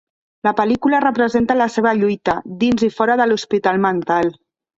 La pel·lícula representa la seva lluita, dins i fora de l'hospital mental.